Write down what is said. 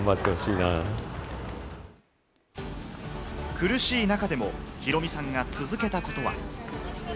苦しい中でもヒロミさんが続けたことは。